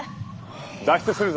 脱出するぞ。